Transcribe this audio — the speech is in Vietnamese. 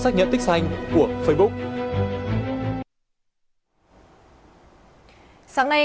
sáng nay công an huyện cà phương đã đưa ra một bản thân